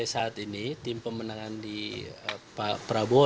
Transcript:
dari saat ini tim pemenangan di prabowo